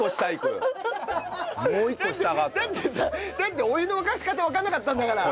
だってさだってお湯の沸かし方わかんなかったんだから！